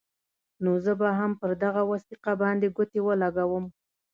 نو زه به هم پر دغه وثیقه باندې ګوتې ولګوم.